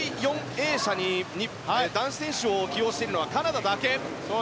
泳者に男子選手を起用しているのはカナダだけ。